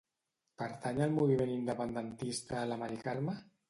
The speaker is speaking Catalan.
Pertany al moviment independentista la Mari Carme?